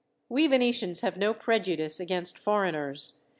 We Venetians have no prejudice against foreigners.